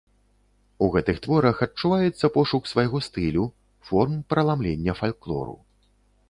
У гэтых творах адчуваецца пошук свайго стылю, форм праламлення фальклору.